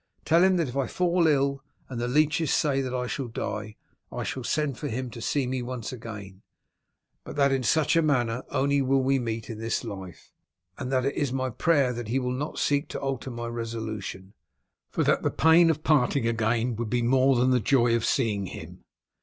Tell him that if I fall ill, and the leeches say that I shall die, I shall send for him to see me once again, but that in such manner only will we meet in this life; and that it is my prayer that he will not seek to alter my resolution, for that the pain of parting again would be more than the joy of seeing him.